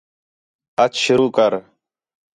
اَچ شروع کر